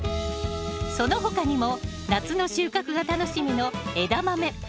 その他にも夏の収穫が楽しみのエダマメ。